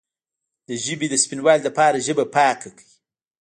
د ژبې د سپینوالي لپاره ژبه پاکه کړئ